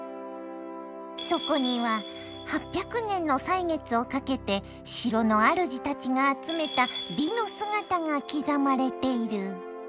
そこには８００年の歳月をかけて城の主たちが集めた美の姿が刻まれている。